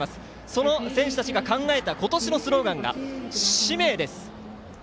その選手たちが考えた今年のスローガンが「獅命」です。